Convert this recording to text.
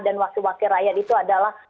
dan wakil wakil rakyat itu adalah